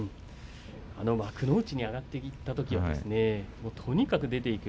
幕内に上がっていったときはですね、とにかく出ていく。